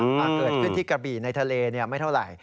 ถ้าเกิดขึ้นที่กระบี่ในทะเลไม่เท่าไหร่